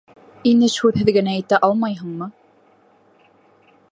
- Инеш һүҙһеҙ генә әйтә алмайһыңмы?